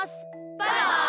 バイバイ！